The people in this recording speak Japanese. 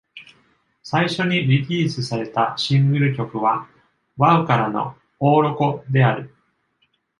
最初にリリースされたシングル曲はワウからの”オーロコ”である。